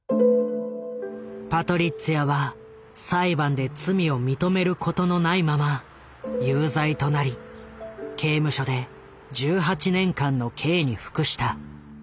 パトリッツィアは裁判で罪を認めることのないまま有罪となり刑務所で１８年間の刑に服した。